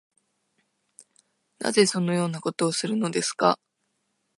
なぜそのようなことをするのですか